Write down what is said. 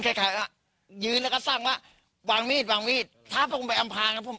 ใครยืนแล้วก็สร้างว่าวางมีดวางมีดถ้าผมไปอำพาคผม